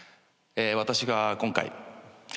私は今回。